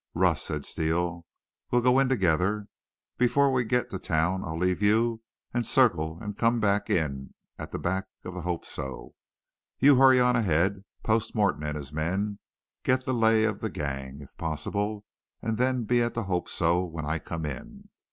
"'Russ,' said Steele, 'we'll go in together. But before we get to town I'll leave you and circle and come in at the back of the Hope So. You hurry on ahead, post Morton and his men, get the lay of the gang, if possible, and then be at the Hope So when I come in.'